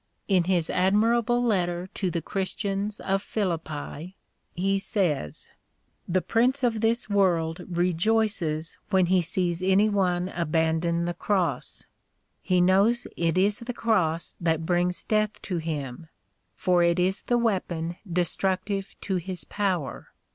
In his admirable letter to the Christians of Philippi, he says: "The prince of this world rejoices when he sees any one abandon the Cross. In the Nineteenth Century. 233 He knows it is the Cross that brings death to him, for it is the weapon destructive to his power.